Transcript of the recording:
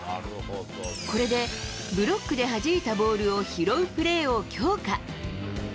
これで、ブロックではじいたボールを拾うプレーを強化。